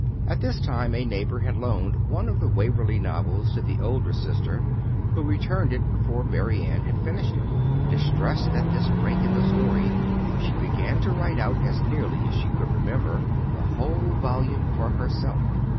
At this time a neighbor had loaned one of the Waverley novels to the older sister, who returned it before Mary Ann had finished it. Distressed at this break in the story, she began to write out as nearly as she could remember, the whole volume for herself.